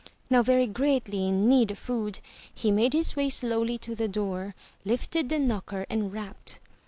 Now very greatly in need of food, he made his way slowly to the door, lifted the knocker and rapped.